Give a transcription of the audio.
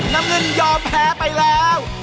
น้ำเงินยอมแพ้ไปแล้ว